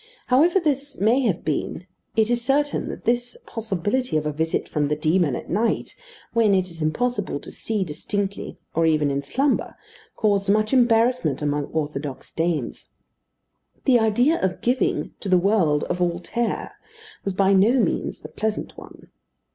However this may have been, it is certain that this possibility of a visit from the demon at night, when it is impossible to see distinctly, or even in slumber, caused much embarrassment among orthodox dames. The idea of giving to the world a Voltaire was by no means a pleasant one.